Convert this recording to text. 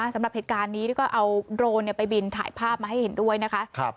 สำหรับเหตุการณ์นี้ที่ก็เอาโดรนไปบินถ่ายภาพมาให้เห็นด้วยนะคะ